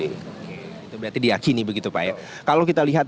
itu berarti diakini begitu pak ya